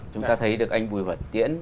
chúng ta thấy được anh bùi vật tiễn